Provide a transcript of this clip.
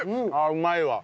うまいわ！